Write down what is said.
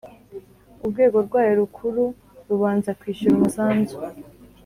Urwego rwaryo rukuru rubanza kwishyura umusanzu